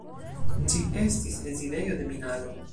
Ĝi estis rezidejo de minado.